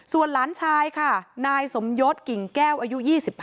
ส่วนหลานชายค่ะนายสมยศกิ่งแก้วอายุ๒๕